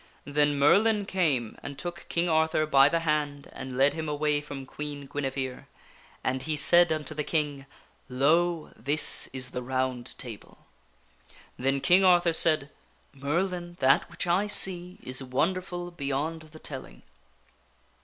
Then Merlin came and took King Arthur by the hand and led him away from Queen Guinevere. And he said unto the King, " Lo ! this is the Round Table." Then King Arthur said, " Merlin, that which I see is wonderful beyond the telling."